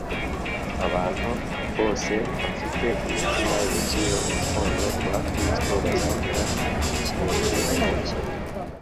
Abantu bose bafite imitima yuzuye urukundo rwa Kristo bazagera ikirenge mu cye,